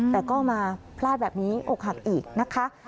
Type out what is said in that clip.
แต่ก็มาพลาดแบบนี้อกหักอีกนะคะ